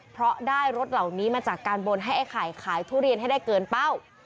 เพราะได้รถเหล่านี้มาจากการบนให้ไอ้ไข่ขายทุเรียนให้ได้เกินเป้า